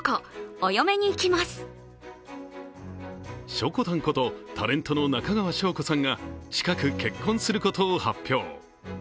しょこたんこと、タレントの中川翔子さんが近く結婚することを発表。